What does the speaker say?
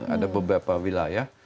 ada beberapa wilayah